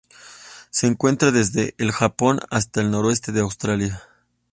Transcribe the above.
Se encuentra desde el Japón hasta el noroeste de Australia.